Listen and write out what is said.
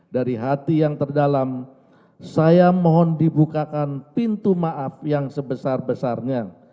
dari hati yang terdalam saya mohon dibukakan pintu maaf yang sebesar besarnya